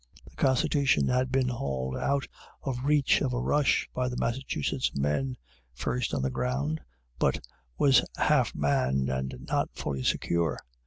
The "Constitution" had been hauled out of reach of a rush by the Massachusetts men, first on the ground, but was half manned and not fully secure.